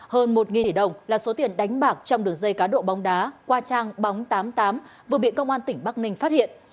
hơn một tỷ đồng là số tiền đánh bạc trong đường dây cá độ bóng đá qua trang bóng tám mươi tám vừa bị công an tỉnh bắc ninh phát hiện